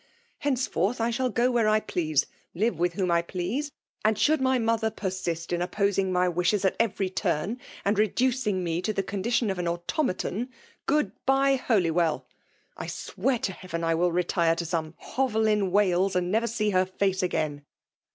Henceforth I shall go where I please, live with whom I please ; and should my mo ther persist in opposing my wishes at every turn, and reducing me to the condition of an automaton, — good bye Holywell ! I swear to Heaven I will retire to some hovel in Wales, a^d never see her face again